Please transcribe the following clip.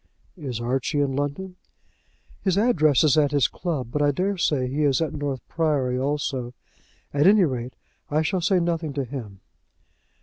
"Is Archie in London?" "His address is at his club, but I daresay he is at North Priory also. At any rate, I shall say nothing to him."